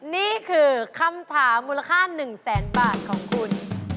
นี่คือคำถามมูลค่า๑แสนบาทของคุณ